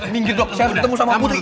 minggu dok saya ketemu sama putri